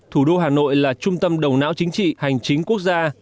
thủ đô hà nội là trung tâm đầu não chính trị hành chính quốc gia